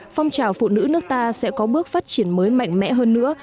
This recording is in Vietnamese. phong trào phụ nữ nước ta sẽ có bước phát triển mới mạnh mẽ hơn nữa